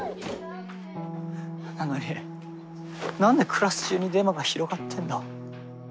なのになんでクラス中にデマが広がってるんだ？